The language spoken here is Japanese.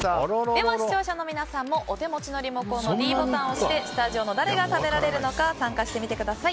では、視聴者の皆さんもお手持ちのリモコンのｄボタンを押してスタジオの誰が食べられるのか参加してみてください。